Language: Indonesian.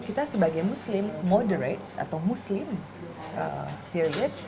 kita sebagai muslim moderate atau muslim period